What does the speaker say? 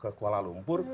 kepada kuala lumpur